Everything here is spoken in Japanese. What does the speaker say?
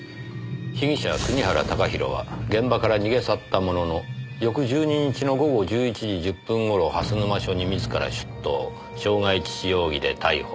「被疑者国原貴弘は現場から逃げ去ったものの翌１２日の午後１１時１０分頃蓮沼署に自ら出頭」「傷害致死容疑で逮捕。